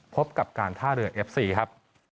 พบกับการท่าเรือเอฟซีครับ